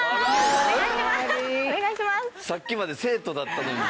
さっきまで生徒だったのに。